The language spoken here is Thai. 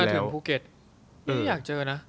ขับรถมาถึงภูเก็ตอยากเจอนะ